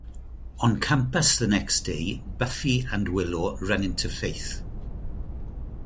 On campus the next day, Buffy and Willow run into Faith.